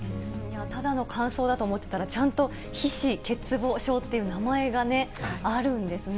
ただの乾燥だと思ってたら、ちゃんと皮脂欠乏症っていう名前があるんですね。